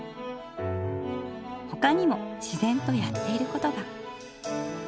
ほかにも自然とやっていることが。